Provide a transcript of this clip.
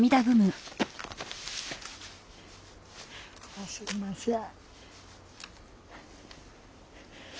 あっすいません。